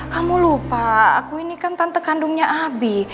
kamu lupa aku ini kan tante kandungnya abi